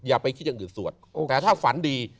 อย่าไปคิดอย่างอื่นสวดแต่ถ้าฝันดี